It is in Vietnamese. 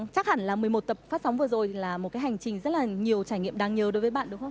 chắc hẳn là một mươi một tập phát sóng vừa rồi là một cái hành trình rất là nhiều trải nghiệm đáng nhớ đối với bạn đúng không ạ